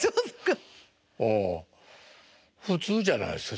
ああ普通じゃないですか？